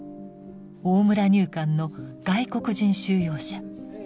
大村入管の外国人収容者。